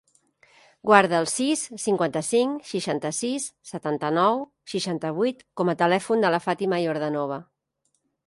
Guarda el sis, cinquanta-cinc, seixanta-sis, setanta-nou, seixanta-vuit com a telèfon de la Fàtima Yordanova.